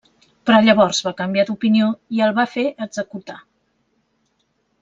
Però llavors va canviar d'opinió i el va fer executar.